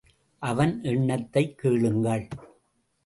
அவன் எண்ணத்தைக் கேளுங்கள்.